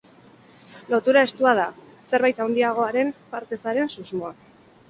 Lotura estua da, zerbait handiagoaren parte zaren susmoa.